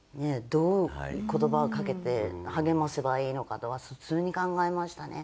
どう言葉をかけて励ませばいいのかとか普通に考えましたね。